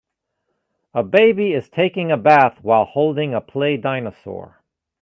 A baby is taking a bath while holding a play dinosaur.